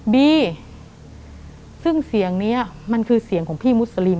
บีซึ่งเสียงนี้มันคือเสียงของพี่มุสลิม